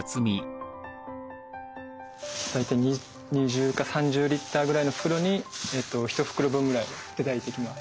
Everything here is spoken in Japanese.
大体２０か３０リッターぐらいの袋に一袋分ぐらい頂いてきます。